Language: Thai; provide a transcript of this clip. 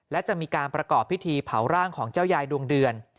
และจะมีการประกอบพิธีเผาร่างของเจ้ายายดวงเดือน